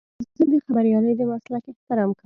زه د خبریالۍ د مسلک احترام کوم.